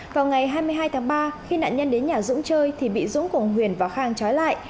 vào ngày hai mươi hai tháng ba khi nạn nhân đến nhà dũng chơi thì bị dũng cùng huyền và khang trói lại